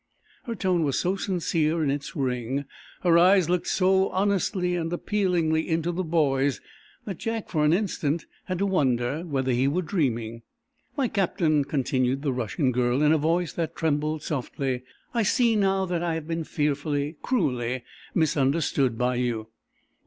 Her tone was so sincere in its ring, her eyes looked so honestly and appealingly into the boy's that Jack, for an instant, had to wonder whether he were dreaming. "My Captain," continued the Russian girl, in a voice that trembled softly, "I see, now, that I have been fearfully cruelly misunderstood by you.